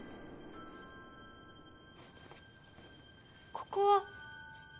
ここは。